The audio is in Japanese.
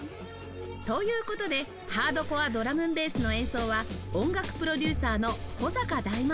という事でハードコア・ドラムンベースの演奏は音楽プロデューサーの古坂大魔王さん